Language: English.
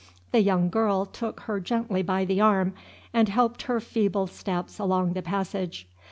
The young girl took her gently by the arm, and helped her feeble steps along the passage.